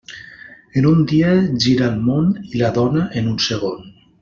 En un dia gira el món, i la dona en un segon.